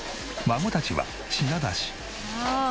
孫たちは品出し。